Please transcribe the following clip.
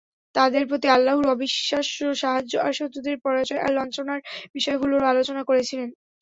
তাদের প্রতি আল্লাহর অবিশ্বাস্য সাহায্য আর শত্রুদের পরাজয় আর লাঞ্ছনার বিষয়গুলোরও আলোচনা করছিলেন।